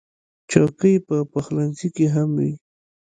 چوکۍ په پخلنځي کې هم وي.